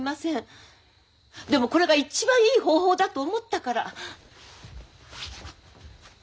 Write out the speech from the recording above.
でもこれが一番いい方法だと思ったから。